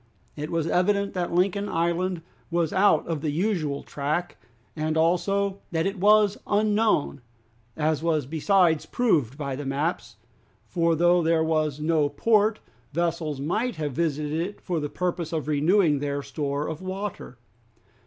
It was evident that Lincoln Island was out of the usual track, and also that it was unknown, as was besides proved by the maps, for though there was no port, vessels might have visited it for the purpose of renewing their store of water.